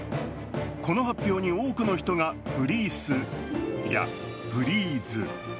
この発表に多くの人がフリース、いや、フリーズ。